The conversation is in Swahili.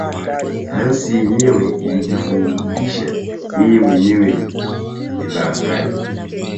Sayansi yenyewe alijifundisha yeye mwenyewe kilaghai